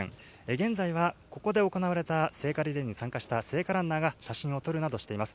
現在はここで行われた聖火リレーに参加した聖火ランナーが写真を撮るなどしています。